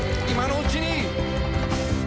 今のうちに」